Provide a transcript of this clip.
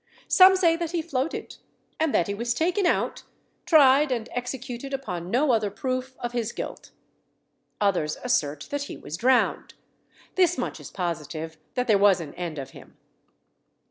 Some say that he floated, and that he was taken out, tried, and executed upon no other proof of his guilt. Others assert that he was drowned. This much is positive, that there was an end of him.